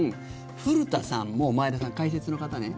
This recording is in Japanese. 古田さんも前田さん解説の方ね